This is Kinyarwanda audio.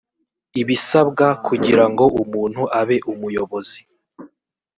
ibisabwa kugira ngo umuntu abe umuyobozi